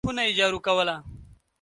خونه یې جارو کوله !